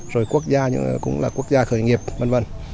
rồi quốc gia cũng là quốc gia khởi nghiệp v v